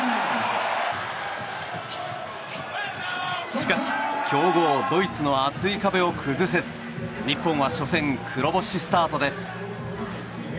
しかし、強豪ドイツの厚い壁を崩せず日本は初戦、黒星スタートです。